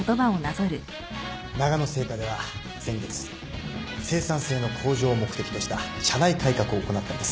ながの製菓では先月生産性の向上を目的とした社内改革を行ったんです。